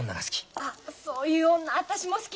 そういう女私も好き。